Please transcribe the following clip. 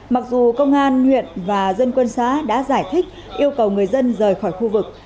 mặc dù công an huyện và dân quân xã đã giải thích yêu cầu người dân rời khỏi khu vực